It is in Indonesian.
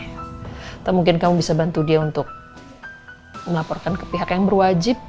atau mungkin kamu bisa bantu dia untuk melaporkan ke pihak yang berwajib